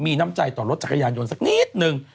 มีน้ำใจต่อรถจักรยานยนต์สักนิดนึง